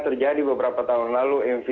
terjadi beberapa tahun lalu mv